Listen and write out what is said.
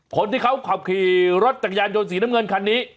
คนที่เขาขับขี่รถจักรยานยนต์สีน้ำเงินคันนี้